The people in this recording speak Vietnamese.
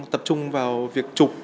tập trung vào việc chụp